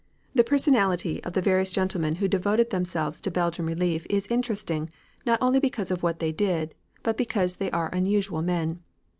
The personality of the various gentlemen who devoted themselves to Belgian relief is interesting, not only because of what they did, but because they are unusual men.